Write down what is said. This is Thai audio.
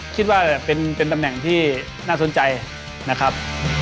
คิดว่าเป็นตำแหน่งที่น่าสนใจนะครับ